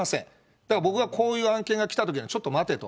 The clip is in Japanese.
だから僕がこういう案件が来たときには、ちょっと待てと。